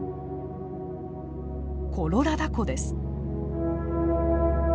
コロラダ湖です。